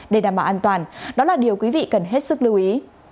để đảm bảo an toàn đó là điều quý vị cần hết sức lưu ý